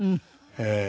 ええ。